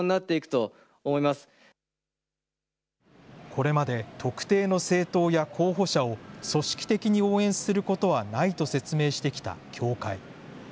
これまで特定の政党や候補者を組織的に応援することはないと説明してきた教会。